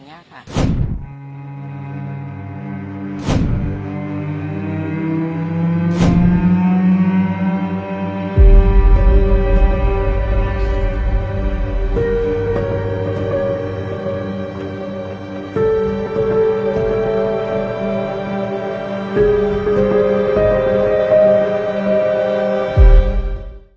ก็เคยได้ยินมาบ้างครับคือแล้วก็มีการซื้อขายกันแต่ส่วนตัวผมไม่เคยซื้อ